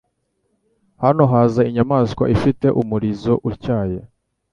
Hano haza inyamaswa ifite umurizo utyaye